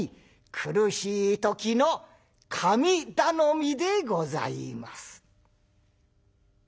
苦しい時の神頼みでございます」。